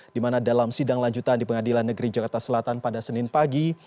di mana dalam sidang lanjutan di pengadilan negeri jakarta selatan pada senin pagi